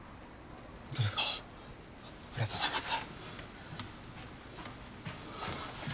ホントですかありがとうございます。